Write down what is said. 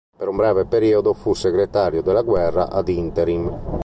Per un breve periodo fu Segretario della Guerra ad interim.